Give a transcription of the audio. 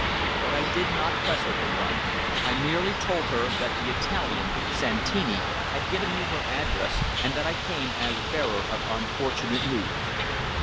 But I did not press her for one. I merely told her that the Italian Santini had given me her address and that I came as bearer of unfortunate news.